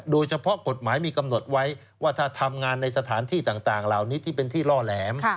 โดยเฉพาะกฎหมายมีกำหนดไว้ว่าถ้าทำงานในสถานที่ต่างเหล่านี้ที่เป็นที่ล่อแหลม